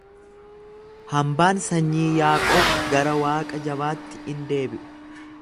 Hambaan sanyii Yaaqoob gara Waaqa jabaatti in deebi'u.